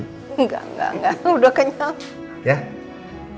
engga udah kenyang